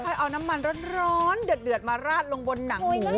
เอาน้ำมันร้อนเดือดมาราดลงบนหนังหมู